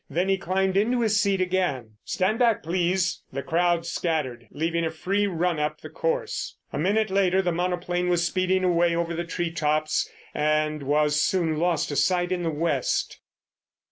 Then he climbed into his seat again. "Stand back, please!" The crowd scattered, leaving a free run up the course. A minute later the monoplane was speeding away over the tree tops and was soon lost to sight in the West.